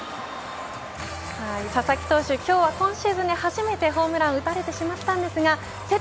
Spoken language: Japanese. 佐々木投手、今日は今シーズンで初めてホームラン打たれてしまったんですがセ、